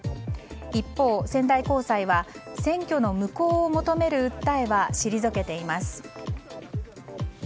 一方、仙台高裁は選挙の無効を求める訴えは退けています。